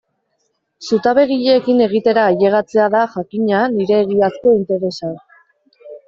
Zutabegileekin egitera ailegatzea da, jakina, nire egiazko interesa.